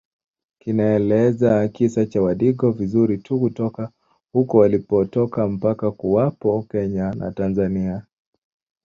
kinaeleza kisa cha wadigo vizuri tu kutoka huko walipotoka mpaka kuwapo Kenya na Tanzania